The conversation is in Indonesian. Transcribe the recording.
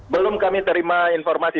belum kami terima informasi